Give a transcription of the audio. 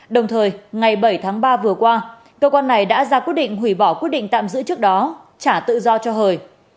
đồng thời ngày bảy tháng ba vừa qua cơ quan này đã ra quyết định hủy bỏ quyết định tạm giữ trước đó trả tự do cho hời